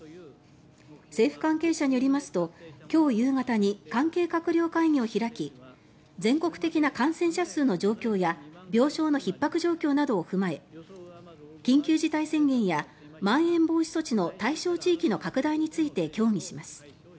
政府関係者によりますと今日夕方に関係閣僚会議を開き全国的な感染者数の状況や病床のひっ迫状況などを踏まえ緊急事態宣言やまん延防止措置の対象地域の拡大について協議します。